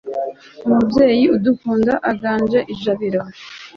umubyeyi udukunda aganje i jabiro